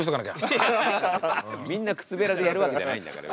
みんな靴べらでやるわけじゃないんだから。